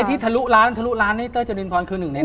ที่ทะลุร้านทะลุร้านให้เต้ยจรินพรคือหนึ่งในนั้น